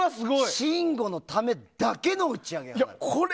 信五のためだけの打ち上げ花火。